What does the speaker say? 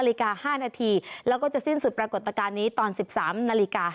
แล้วก็จะสิ้นสุดปรากฏการนี้ตอน๑๓๕๘น